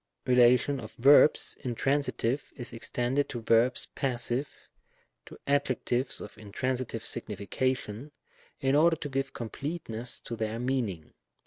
relation of verbs intransitive is ex tended to verbs passive, to adjectives of intransitive signification, in order to give completeness to their meaning.